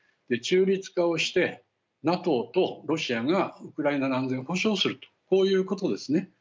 中立化をしてＮＡＴＯとロシアがウクライナの安全を保障するとこういうことですね。